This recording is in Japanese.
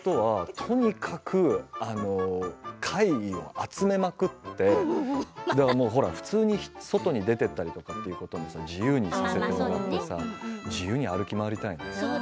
とにかく怪異を集めまくって普通に外に出ていったりとかということも自由にね自由に歩き回りたいね。